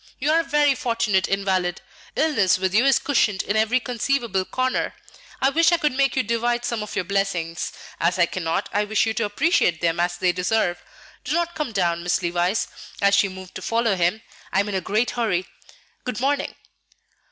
"You are a very fortunate invalid; illness with you is cushioned in every conceivable corner. I wish I could make you divide some of your blessings. As I cannot, I wish you to appreciate them as they deserve. Do not come down, Miss Levice," as she moved to follow him; "I am in a great hurry. Good morning."